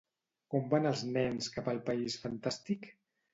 Com van els nens cap al país fantàstic?